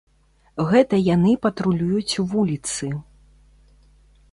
Гэта яны патрулююць вуліцы.